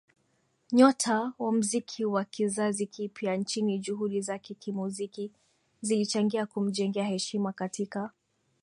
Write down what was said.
nyota wa muziki wa kizazi kipya nchini Juhudi zake kimuziki zilichangia kumjengea heshima katika